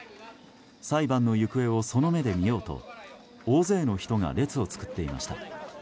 裁判の行方をその目で見ようと大勢の人が列を作っていました。